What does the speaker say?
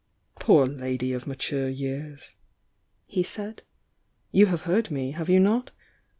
"Poor lady of mature years!" he said. "You have heard me, have you not?